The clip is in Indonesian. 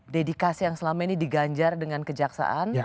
dedikasi yang selama ini diganjar dengan kejaksaan